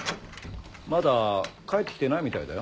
まだ帰って来てないみたいだよ。